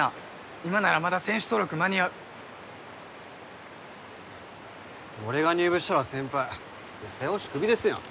今ならまだ選手登録間に合う俺が入部したら先輩正捕手クビですやん